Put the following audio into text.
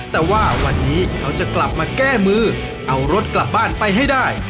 แต่ว่าวันนี้เขาจะกลับมาแก้มือเอารถกลับบ้านไปให้ได้